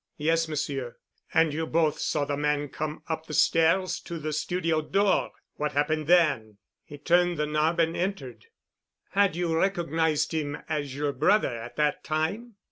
"Yes, Monsieur." "And you both saw the man come up the stairs to the studio door. What happened then?" "He turned the knob and entered." "Had you recognized him as your brother at that time?"